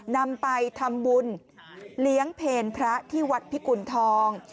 นำไปทำบุญเลี้ยงเพลพระที่วัดพิกุณฑอง